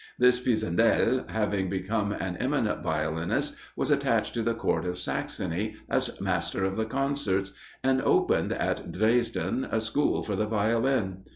This Pisendel, having become an eminent violinist, was attached to the Court of Saxony as master of the concerts, and opened, at Dresden, a school for the Violin.